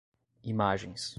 imagens